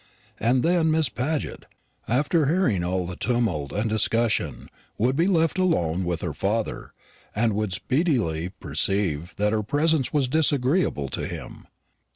And then Miss Paget, after hearing all the tumult and discussion, would be left alone with her father, and would speedily perceive that her presence was disagreeable to him.